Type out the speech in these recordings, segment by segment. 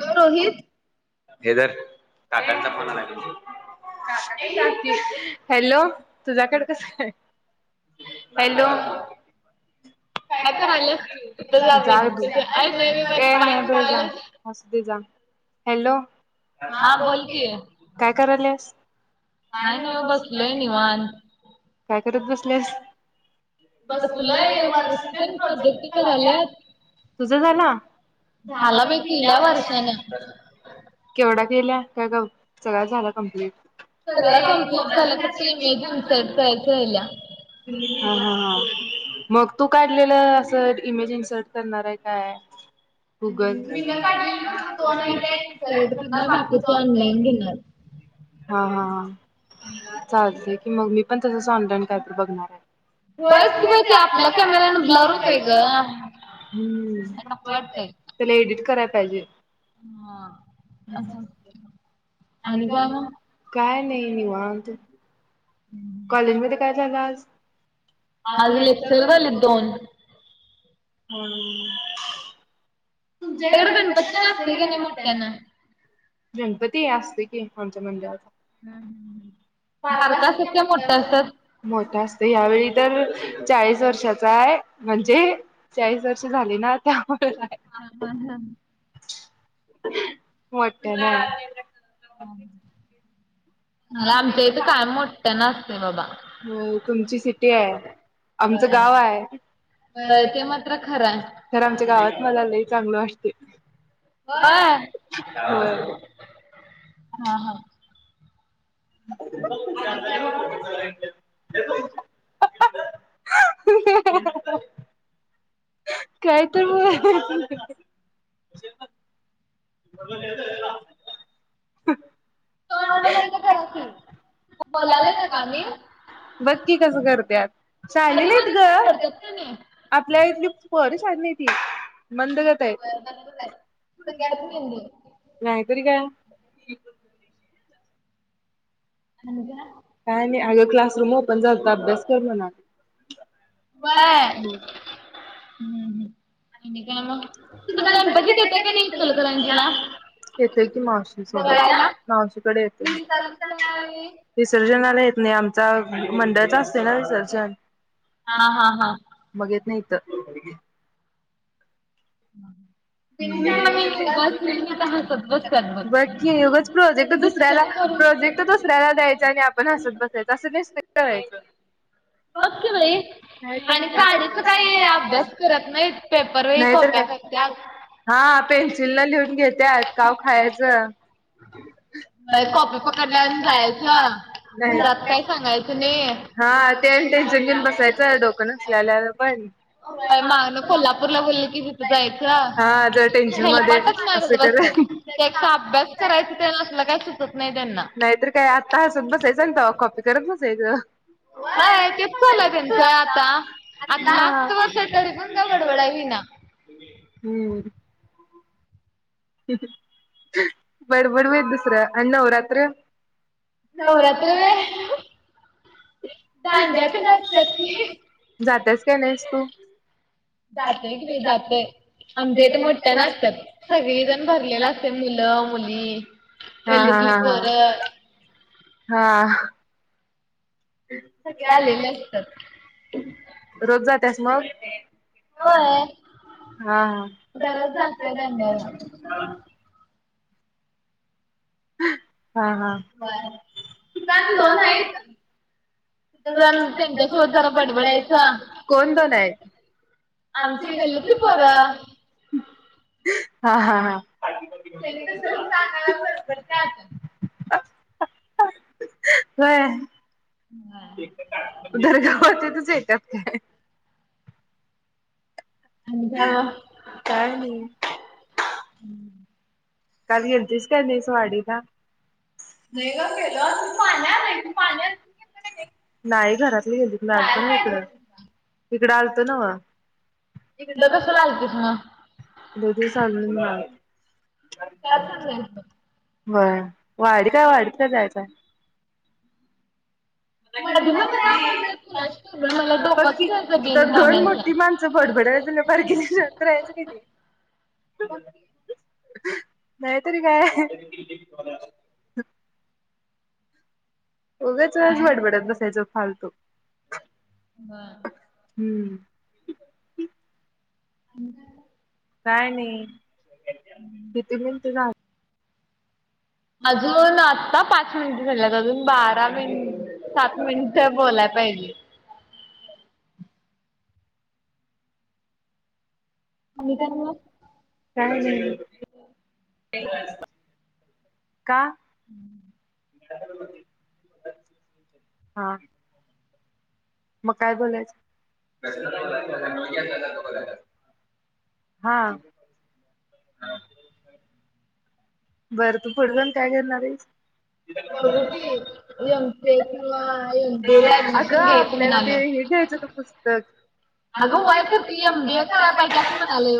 Hello Rohit. हे धर काकाचा फोन आलाय [unintelligible] हॅलो, तुझ्याकडे कस हाय? हॅलो. जा तू. ये नाही बाई जा. असुदे जा. हॅलो. हा बोल की. काय कराल्यास? काय नाही बघ बसलोय निवांत. काय करत बसल्यास? बसलोय वर्षी तेन प्रोजेक्ट कराल्यात. तुझ झाला? झाला बाई केल्या वर्षान. केवढ्या केल्या असत्या ग, सगळ झाला कंप्लीट? सगळ कम्प्लीट झालं. फक्त इमेज इन्सर्ट करायच राहिल्या. हा हा हा. मग तू काढलेलं असं इमेजिंग सर्च करणार आहे काय? गुगल. [inaudible] मीन काढलेली फक्त दोन आहेत त्या इन्सर्ट करणार बाकीचे ऑनलाईन घेणार. हा हा हा. चालतेय की मग, मी पण तसच ऑनलाईन काहीतरी बघणारे. बघ की बाई ते आपला कॅमेरा ब्लर होतय ग. हम्म, नको वाटतंय. त्याला एडिट करायला पाहिजे. हा, अस होत [inaudible] आणि काय? काय नाही निवांत. हम्म. कॉलेजमध्ये काय झालं आज? आज लेक्चर झालेत दोन. हम्म. तर गणपती आसतेन का नाही मोठ्यांन? गणपती, असते की आमच्या मंदिरात. हम्म हम्म हम्म. बारका असत्यात का असं? मोठा असतय. यावेळी तर चाळीस वर्षाचाय. म्हणजे, चाळीस वर्ष झाली ना आता, म्हणून हाय. हा हा ह. मोठ्या ना. म आमच्या इथं काय मोठ्या नसते बाबा. होय. तुमची सिटी हाय. आमचं होय. गाव हाय. होय ते मात्र खरं हाय. तर आमच्या गावात मला लई चांगलं वाटते. [inaudible] हा ह. ह [inaudible] आणि काय म? [inaudible] काय ते मु [inaudible] तोंड बंद करा की बोलायलो नाग आम्ही. बघ की कसं करतेत. शाहणी मधी नाहीत मधीच बंद ग. पडत्यात कणी. आपल्या इथली पोर शहाणी नाही ती. मंद जाताय. होय [unintelligible] नाही तरी काय. [unintelligible] काय नाही. अग क्लासरूम ओपन झाल त अभ्यास कर म्हना. होय. व्हय. हम्म हम्म. आणि काय म? तुम्हि गणपतीत येताय का नाही इचलकरंजी ला. येतोय कि मावशी सोबत. मावशीकडे येतो. विसर्जन आणि विसर्जनाला येत नाही. आमचा मंडळाचा असतोय ना विसर्जन. हा हा. मग येत नाही त. [inaudible] जिंका मी उगाच नेहमी तर [unintelligible] हसत बसतात बघ. बकी उगच प्रोजेक्ट दुसऱ्याला डिस्टर्ब करून प्रोजेक्ट दुसऱ्याला द्यायचा आणि आपण हसत बसायचं अस [unintelligible] होय. बग की बाई आणि काढीचा काय काही अभ्यास करत नाहीत पेपर वेळी नाहीतर कॉप्या काय का त्या हा पेन्सिलन लिहून घेत्यात काव खायचं, कॉपी पकडल्यावर आणि जायचं. नाही घरात काय सांगायचं नाही. हा ते टेन्शन घेऊन बसायचं डोकं नसल्याल्या पण, काय मागन कोल्हापूरला बोलली की तिथं हा जर जायचं टेन्शन मध्ये हेलपाटच असं मारत कर बसत्यात. त्यापेक्षा अभ्यास करायचा तेन असल काय सुचत नाही त्यांना, नाहीतर काय आता हासत बसायचं आणि तवा कॉपी करत बसायचं. हय तेच चालू आहे त्यांच आता. आज हा. लास्ट वर्ष आहे तरी पण काय बडबडाय येईना. हम्म बडबड बेत दुसरं आणि नवरात्र नवरात्र होय खंड्या तेन [unintelligible] की, जात्यास काय नाहीस तू? जातोय की जातोय आमच्या हिथ मोठठ्या आसत्यात सगळी जण भरलेल अस तय मुलं मुली. हा हा गल्लीतली हा पोरं हा हा. सगळी आलेली अस, रोज जात्यास मग? होय हा दररोज जातोय दांड्याला. [unintelligible] हा हा बर पण दोन आहेत. [unintelligible] पण त्यांच्यासोबत जरा [unintelligible] बडबडायच, बडबडायचा. कोण दोन आहेत? आमची गल्लीतली पोरं हा हा ह. सगळीजण मिळून जाणार हाय गणपती जातात. आण होय. हा [unintelligible] ऐत्यात काय आणि काय? काय नाही. हम्म काल गेलतीस काय नाहीस वाडीला? नाही ग गेलो पाणी आलंय [unintelligible] नाही घरातली गेलतीत [unintelligible] इकडं आलत नव. [unintelligible] कशाला आलतीस मग? [unintelligible] [unintelligible] बरं वाडीत काय वाडीत काय जायचय. कधी मधी का बोलतात कुणास ठाऊक बाई मला [unintelligible] बग की डोकाच खेळतं हिथ दोन मोठी बिनकामाचं. माणस बडबड्या बारकिन शांत रहायचं कणी. नाहीतर काय, उगंचच बडबडत बसायचं फालतु. बर हम्म आणि काय? काय नाही, किती मिनट अजून आत्ता पाच मिनिट झाल्यात अजून बारा मिनिट सात मिनिट बोलाय पाहिजे. आणि काय मग? काय नाही, का? [inaudible] हां. मग काय बोलायचं? हां. बरं तू फूड जाऊन काय करणार आहिस? बघ कि M K, M B A ला ऍडमिशन घ्यायच म्हणालोय. पुस्तकं अगं [unintelligible] एम बी ए करायच पाहिजे असं म्हणालोय मी.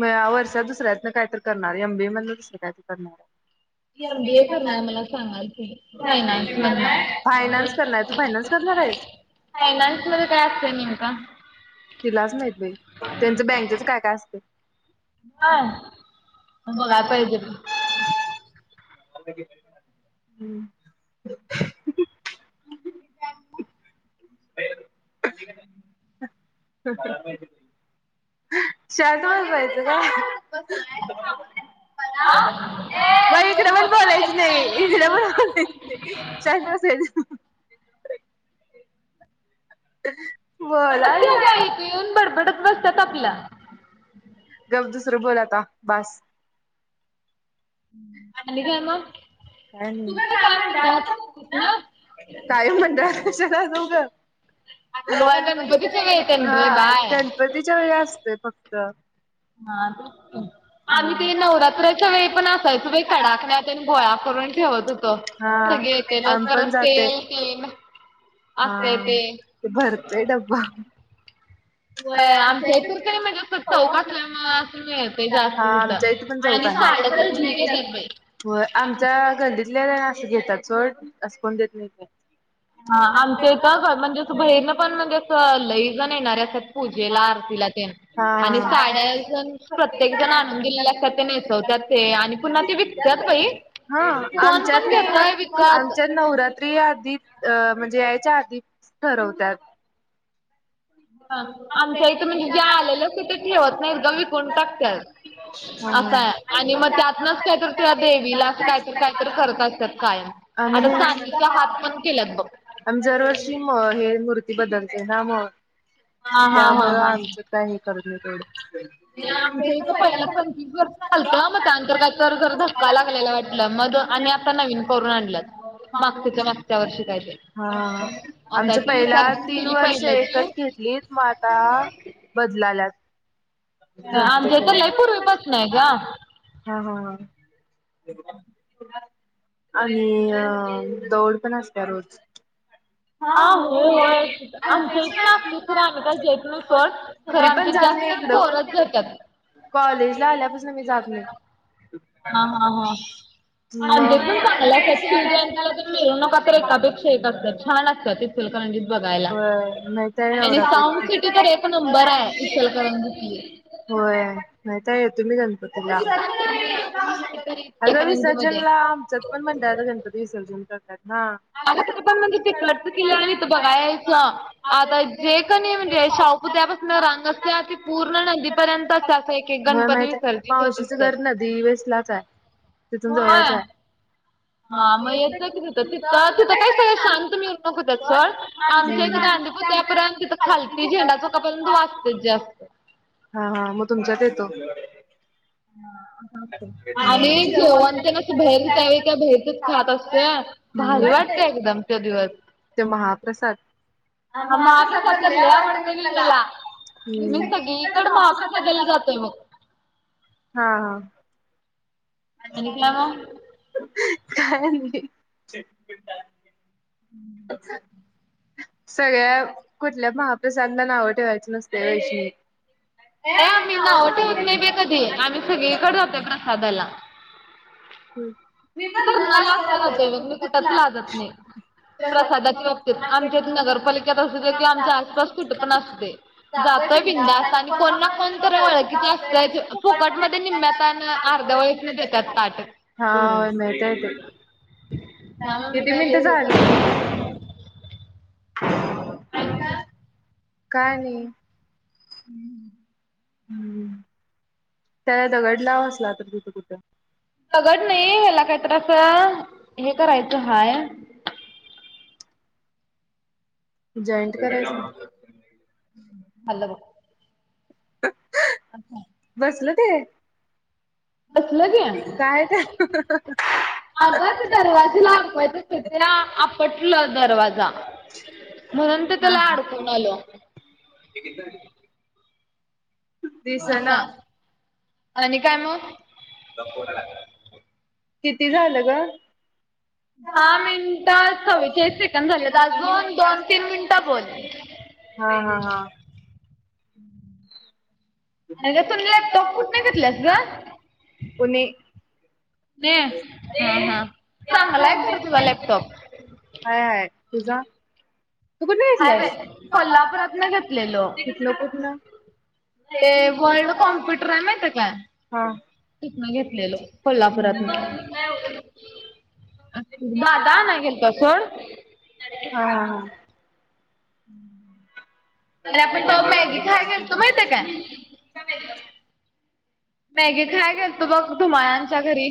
मी या वर्षी दुसऱ्यातनं काही तर करणार, एम बी ए मधलं दुसरं काही तर करणार. एम बी ए करणार, फायनान्स करणार हाय, फायनान्स करणार तू फायनान्स करणारं आहेस? फायनान्स मध्ये काय असतंय नेमक? तिलाच माहीत बाई, त्यांचं बँकेच काय काय असतय. होय, मग बघाय पाहिजे. [inaudible] [inaudible] [inaudible] शर्ट वर जायचं ग. [inaudible] मग इकड पण बोलायचं नाही इकडे पण बोलायच नाही शांत बसायचं. [inaudible] बग बोलालोय. की इथं येऊन बडबडत बसत्यात आपल. गप्प दुसरं बोल आता बासं. आणि काय मगं? काय नाही, तुझ काम मंडळातच असायचं ना?, कायम मंडळात कश्या मंडळात कशाला जाऊ ग? अगं बाळ गणपती जवळ गणपतीच्या वेळेत येतात येन रे हां बाळ. गण पतीच्या वेळी असतोय फक्त. हां. आम्ही हा ते नवरात्रच्या वेळी पण असायचो बाई, कडाकण्या तेन गोळा करून ठेवत होतो. सगळ येतेल, आम्ही परत तेल तेन असतंय ते. हां ते भरतोय डब्बा. बाई आमच्या इथ तर काय म्हणजे तो चौक असल्यामुळे मिळतय जास्त हा आमच्या तिथं. इथे पण जाऊ आणि साड्या तर ढीग काय येत्यात बाई. होय आमच्या गल्लीतल्या अस घेतात सोडं असं कोण देत नाही. हा आमचं इथ घ म्हणजेचं बाहीरनं पण म्हणजेचं असं लई जण येणारे असं पूजेला, आरतीला तेन. हा. आणि साड्या एक जण प्रत्येक जण आणून दिलेल्या असतात ते नेसवत्यात ते आणि पुन्हा ते विक त्यात बाई कोण पण घेतयं विकत ती आधीच अह म्हणजे याच्या आधीच ठरवत्यात. आमच्या इथ म्हणजे ज्या आलेल्या असतात त्या ठेवत नाहीत गं विकून टाकत्यात. हा हा. असाय आणि मग त्यातनच काही तर त्या देवीला असं कायतरी, कायतरी करत असतात कायम आता चांदीचे हात पण केल्यात बघ. अन जरवर्षी म हे मूर्ती बदलते ना मग हा हा हा त्यामुळं हा. आमचं काय हे करत नाय येवढं ते आमचं इथ पहिलं पंचवीस वर्ष झालतं मग त्यानंतर काय तर जरा धक्का लागल्याला वा- टल मग दो आणि आता नवीन करून आणल्यात मागच्याच्या मागच्या वर्षी काय ते हां असं आहे आमचं ती पहिला विचारपूस तीन केली वर्ष पहिल्याची एकच घेतलीत म आता बदलाल्यात. अं आमच्या इथं प्रत्येकाने. लय पूर्वीपासून हाय गं. हां हां हां. आणि अं दौड पण असत्या रोज. हां होय होयच आमच्या इथून असतय खर आम्ही काय जायीत नाही सोडं. खरं मी पण आमच्यात जात जास्त नाही करून इकडं. पोरचं जात्यात कॉलेजला आल्यापासन मी जात नायी. हां हां हां. मग होय आमच्या इथ पण चांगला असत्यात शिवजयंतीला तर मिरवणुका तर एकापेक्षा एक असतात, छान असतात. इचलकरंजीत बघायला माहिताय आणि साउंड नवरात्री. सिटी तर एक नंबर हाय इचलकरंजीतली. होय माहीताय तुम्ही गण पतीला विसरतीला मी यायचा कधीतरी [inaudible] अंग इचलकरंजीमध्ये. विसर्जनला आमच्यात पण मंडळाचा गणप पती विसर्जन करतात नां अरे तिथं पण म्हणजे ते [inaudible] ते बघायचं आता जे कणी म्हणजे शाहु पुत्यळ्यापासन रांग असत्या ते पूर्ण नदीपर्यंत असं एक एक व्हय गणपती माहितेय विसर्जित होत मावशीचं घर असत्यात. नदी पासनच हाय तिथून होय जवळचहाय. हा मग येत जा कि तिथं तिथं तिथं काय सगळ शांत मिरवणूक होत्यात सोड. आमच्या इथं गांधी पुतळयापर्यंत तिथं खालती झेंडा चौका पर्यंत वाजतय जास्त. हां हां मग तुमच्यात येतो. हां. आम्ही जेवाणतेन असं बाहेरच त्यावेळी त्या बाहेरचच खात असतोय. भारी वाटतय एकदम त्यो दिवस. ज्यो महाप्रसाद, आं हा महाप्रसाद महाप्रद तर लय आवडतो आवडत बाई मला. हुं मी सगळीकडं सगळीकडे महाप्रसादला महाप्रसादाला जातोय. बघ हां हां. आणि काय मग? काय नाही. [unintelligible] हुं. [inaudible] सगळ्या कुठल्या महाप्रसादनां नाव ठेवायची नसतयं वैशी. ये आम्ही नाव ठेवत नाही बाई कधी आम्ही सगळीकड जातोय प्रसादाला. हं. मी तर न लाजता बघ मग मी कुठंच लाजत नयी. प्रसादाच्या बाबतीत आमच्या इथं नगरपालिकेत असते किंवा आमच्या आसपास कुठे पण असुदे जातोय बिंंदास आणि कोणना कोण तर वळकीच असतयच फुकट मध्ये निम्म्यात आन अर्ध्या वळी ते देतात ताट. हां माहीतेय ते त्याला मी किती काय मिनिटं लय हे करत झाली आणि काय काय नाही. हम्म. हम्म त्याला दगड लाव असला तर तीथ कुठं. दगड नाही ह्याला काहीतरी अस हे करायचं हाय. जॉईंट करायचं. हॅलो! [unintelligible] बसलं ते. बसलं की काय ग. अग ते दरवाजे लावा [unintelligible] तर ते आपटला दरवाजा. म्हणून ते त्याला अडकून आलेय. हे किती झाले? असा दिसना. आणि काय मग? किती झालं ग? दहा मिनटं चव्वेचाळीस सेकंड झालेत अजून दोन तीन मिनिटं बोल. हां हां हां. [unintelligible] तु लॅपटॉप कुठन घेतलास ग? पुणे [unintelligible] हा हा चांगलाय खरं तुझा लॅपटॉप. हाय हाय तुझा? तू कुठन हाय घेतल्यास बाय कोल्हापुरातन घेतलेलो. तिथन कुठन ते वर्ल्ड कॉम्प्युटरय माहितय काय? हा. तिथन घेतलेलो हा कोल्हापुरातन. हा हा. दादा आणायला गेलता सोड. हां हां. अरे आपण तवा मॅगी खायाय गेलतो माहितीय काय? [unintelligible] मॅगी खायाय गेलतो बघ धुम्हाळांच्या घरी?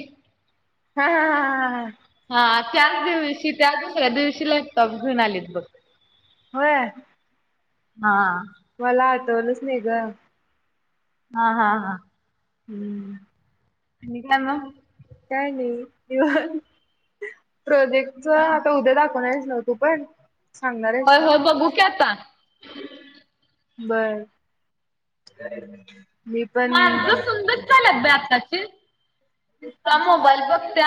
हा हा हा हा हा त्याच दिवशी त्या दुसऱ्या दिवशी लॅ पटॉप घेऊन आलेत बघ. होय. हां. मला आठवलंच नाही ग. हां हां हां. हम्म. आणि काय मग? काय नाही निवांत, प्रोजेक्टच आता उद्या दाखवणारयत [unintelligible] तू पण सांगणार आहेस होय होय बघू की का? आता. बर. मी पण माणस सुंदर [unintelligible] बाई आत्ता ची [unintelligible] मोबाईल बघत्या.